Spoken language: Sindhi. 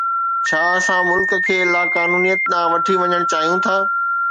ڇا اسان ملڪ کي لاقانونيت ڏانهن وٺي وڃڻ چاهيون ٿا؟